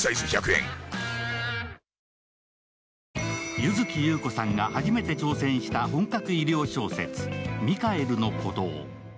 柚月裕子さんが初めて挑戦した本格医療小説「ミカエルの鼓動」。